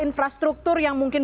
infrastruktur yang mungkin